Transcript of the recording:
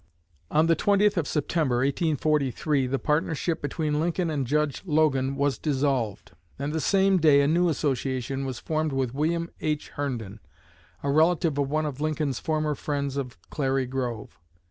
On the 20th of September, 1843, the partnership between Lincoln and Judge Logan was dissolved; and the same day a new association was formed with William H. Herndon, a relative of one of Lincoln's former friends of Clary Grove.